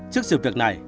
trước sự việc này